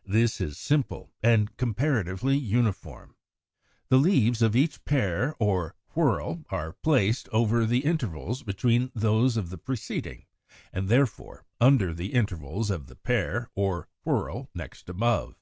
= This is simple and comparatively uniform. The leaves of each pair or whorl are placed over the intervals between those of the preceding, and therefore under the intervals of the pair or whorl next above.